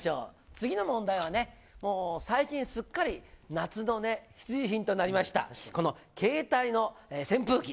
次の問題はね、もう最近すっかり夏のね、必需品となりました、この携帯の扇風機。